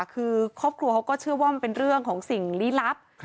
คือครอบครัวเขาก็เชื่อว่ามันเป็นเรื่องของสิ่งลี้ลับ